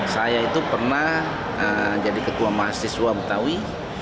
saya itu pernah jadi ketua mahasiswa betawi